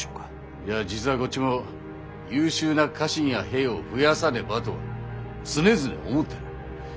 いや実はこっちも優秀な家臣や兵を増やさねばとは常々思っている。